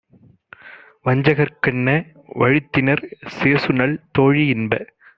வஞ்சகர்க் கென்ன வழுத்தினர் சேசுநல் தோழி - இன்ப